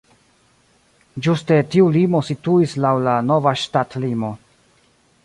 Ĝuste tiu limo situis laŭ la nova ŝtatlimo.